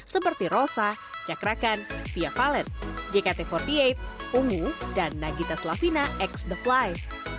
seperti rosa cakrakan fia valet jkt empat puluh delapan ungu dan nagita slavina x the fly